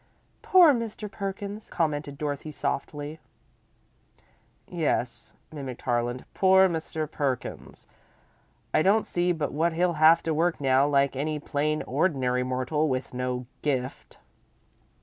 "Poor Mr. Perkins," commented Dorothy, softly. "Yes," mimicked Harlan, "poor Mr. Perkins. I don't see but what he'll have to work now, like any plain, ordinary mortal, with no 'gift'."